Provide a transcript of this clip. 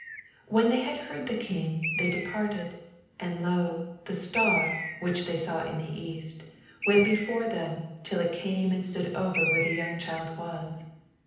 9 When they had heard the king, they departed ; and lo, the star, which they saw in the east, went before them, till it came and stood over where the young child was.